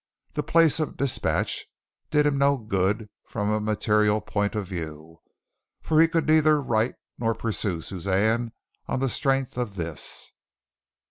The place of despatch did him no good from a material point of view, for he could neither write nor pursue Suzanne on the strength of this.